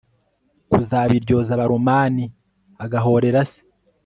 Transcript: kuzabiryoza abaromani agahorera se